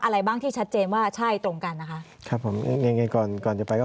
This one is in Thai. อะไรบ้างที่ชัดเจนว่าใช่ตรงกันนะคะ